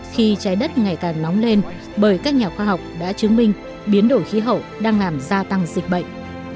khi trái đất ngày càng nóng lên bởi các nhà khoa học đã chứng minh biến đổi khí hậu đang làm gia tăng dịch bệnh